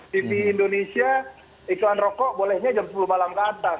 tv indonesia iklan rokok bolehnya jam sepuluh malam ke atas